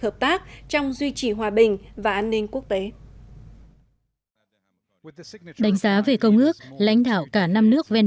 hợp tác trong duy trì hòa bình và an ninh quốc tế đánh giá về công ước lãnh đạo cả năm nước ven